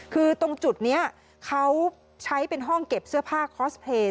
คือตรงจุดนี้เขาใช้เป็นห้องเก็บเสื้อผ้าคอสเพลย์